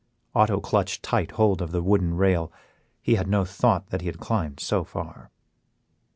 Otto clutched tight hold of the wooden rail, he had no thought that he had climbed so far.